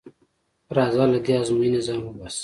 راځه له دې ازموینې ځان وباسه.